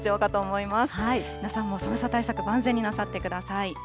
皆さんも寒さ対策、万全になさってください。